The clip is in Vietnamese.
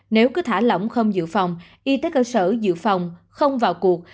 nếu cứ thả lỏng không dự phòng y tế cơ sở dự phòng không vào cuộc